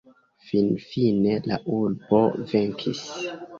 Finfine la urbo venkis.